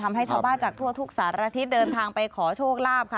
ทำให้ชาวบ้านจากทั่วทุกสารทิศเดินทางไปขอโชคลาภค่ะ